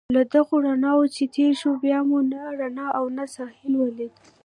له دغو رڼاوو چې تېر شوو، بیا مو نه رڼا او نه ساحل ولید.